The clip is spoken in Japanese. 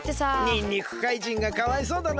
にんにくかいじんがかわいそうだな。